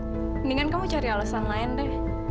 mendingan kamu cari alasan lain deh